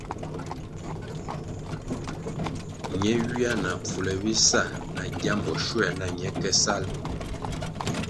Ne ywia na pfule bisa na gyambo shuē na ñe ke salʼ.